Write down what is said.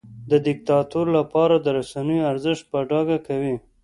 د دیکتاتور لپاره د رسنیو ارزښت په ډاګه کوي.